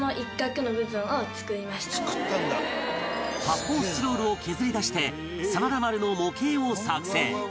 発泡スチロールを削り出して真田丸の模型を作成